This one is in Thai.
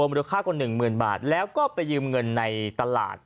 มูลค่ากว่า๑๐๐๐บาทแล้วก็ไปยืมเงินในตลาด